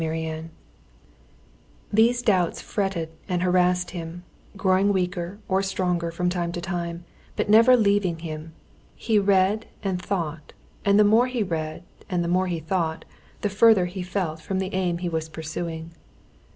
Chapter 9 These doubts fretted and harassed him, growing weaker or stronger from time to time, but never leaving him. He read and thought, and the more he read and the more he thought, the further he felt from the aim he was pursuing.